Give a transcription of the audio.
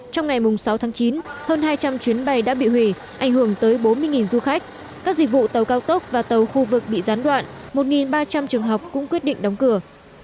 trong ngày sáu tháng chín hơn hai trăm linh chuyến bay đã bị hủy ảnh hưởng tới bốn mươi du khách các dịch vụ tàu cao tốc và tàu khu vực bị gián đoạn một ba trăm linh trường học cũng quyết định đóng cửa